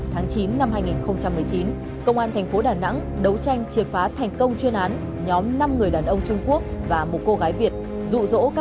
tháng chín năm hai nghìn một mươi chín công an thành phố đà nẵng đấu tranh triệt phá thành công chuyên án nhóm năm người đàn ông trung quốc và một cô gái việt rụ rỗ